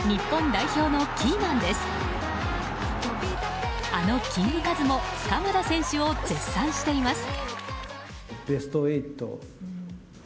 あのキングカズも鎌田選手を絶賛しています。